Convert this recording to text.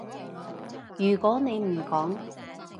如果你唔講